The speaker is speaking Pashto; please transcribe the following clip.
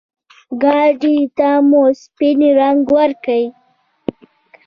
ګاډي ته مو سپين رنګ ورکړ.